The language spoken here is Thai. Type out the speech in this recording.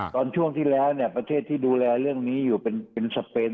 ตอนช่วงที่แล้วประเทศที่ดูแลเรื่องนี้อยู่เป็นสเปน